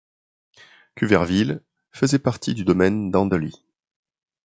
Cuverville faisait partie du domaine d'Andely.